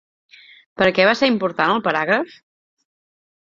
Per a què va ser important el paràgraf?